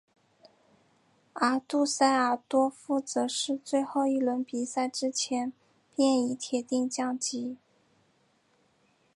而杜塞尔多夫则是在最后一轮比赛之前便已铁定降级。